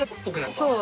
そう。